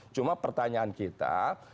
cuma pertanyaan kita